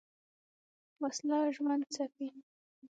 وسله ژوند ځپي